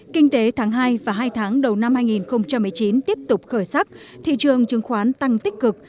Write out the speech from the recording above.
kinh tế tháng hai và hai tháng đầu năm hai nghìn một mươi chín tiếp tục khởi sắc thị trường chứng khoán tăng tích cực